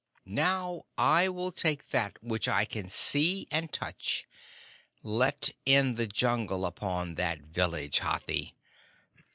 Now I will take that which I can see and touch. Let in the Jungle upon that village, Hathi!"